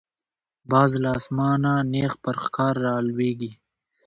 باز له آسمانه نیغ پر ښکار را لویږي